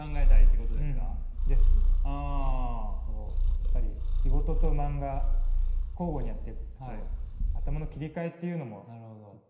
やっぱり仕事と漫画交互にやっていくと頭の切り替えっていうのもちょっと。